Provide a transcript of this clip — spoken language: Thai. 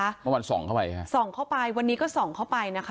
เมื่อวานส่องเข้าไปค่ะส่องเข้าไปวันนี้ก็ส่องเข้าไปนะคะ